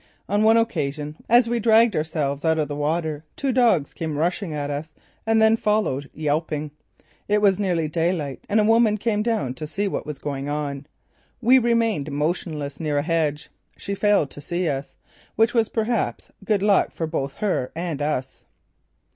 On one occasion, as we dragged ourselves out of the water, two dogs came rushing at us and then followed, yelping. It was nearly daylight and a woman came down to see what was going on. We remained motionless near a hedge. She failed to see us, which was perhaps good luck for both her and us.